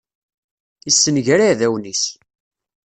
Yessenger iɛdawen-is.